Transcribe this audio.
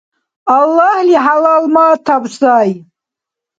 - Аллагьли хӀялалматаб сай!